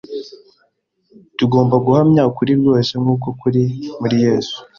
Tugomba guhamya ukuri rwose nk’uko kuri muri Yesu,